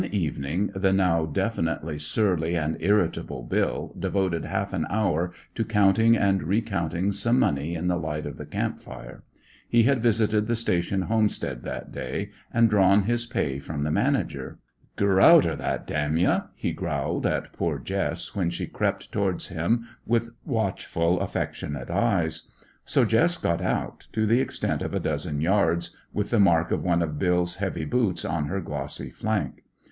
One evening the now definitely surly and irritable Bill devoted half an hour to counting and recounting some money in the light of the camp fire. He had visited the station homestead that day and drawn his pay from the manager. "Ger r router that, damn ye!" he growled at poor Jess when she crept towards him with watchful, affectionate eyes. So Jess got out, to the extent of a dozen yards, with the mark of one of Bill's heavy boots on her glossy flank.